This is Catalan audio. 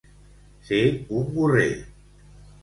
Ser un gorrer.